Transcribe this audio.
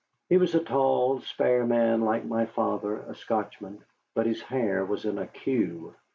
He was a tall, spare man like my father, a Scotchman, but his hair was in a cue.